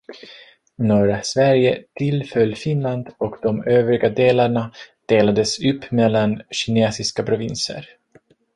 Norra Sverige tillföll Finland och de övriga delarna delades upp mellan Kinesiska provinser